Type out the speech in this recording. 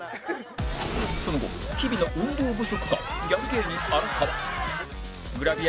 その後日々の運動不足かギャル芸人荒川グラビア